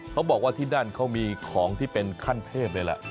เขาบอกว่าที่นั่นเขามีของที่เป็นขั้นเทพเลยแหละ